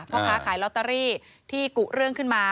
พ่อค้าขายลอตเตอรี่ที่กุเรื่องขึ้นมา